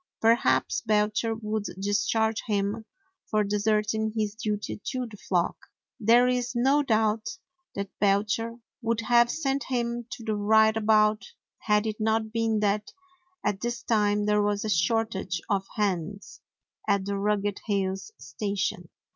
Perhaps Belcher would discharge him for deserting his duty to the flock. There is no doubt that Belcher would have 118 A NEW ZEALAND DOG sent him to the right about had it not been that at this time there was a shortage of hands at the Rugged Hills station.